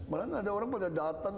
malahan ada orang pada datang